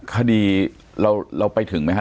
คดีเราไปถึงไหมครับ